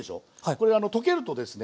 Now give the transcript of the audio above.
これ溶けるとですね